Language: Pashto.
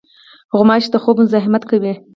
غوماشې د خوب مزاحمت کوي.